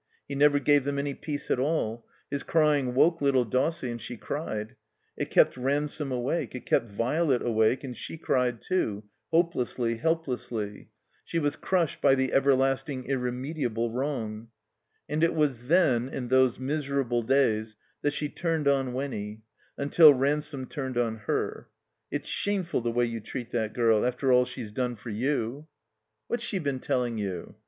He never gave them any peace at all. His aying woke little Dossie, and she cried; it kept Ransome awake; it kept Violet awake, and she cried, too, hopelessly, helplessly; she was crushed by the ever lasting, irremediable wrong. And it was then, in those miserable days, that she turned on Winny, imtil Ransome tinned on her. "It's shameful the way you treat that girl, after all she's done for you." 230 THE COMBINED MAZE '* What's she been telling you